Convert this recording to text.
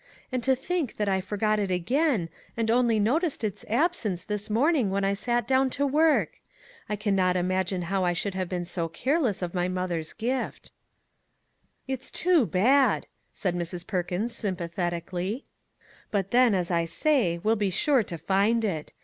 And to think that I forgot it again, and only noticed its absence this morning when I sat down to work ! I can not imagine how I could have been so careless of my mother's gift !"" It's too bad !" said Mrs. Perkins, sympa thetically ;" but then, as I say, we'll be sure to find it.